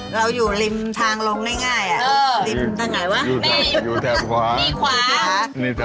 เราอยู่ริมทางลงง่ายริมทางไหนวะอยู่แถบขวานี่ขวา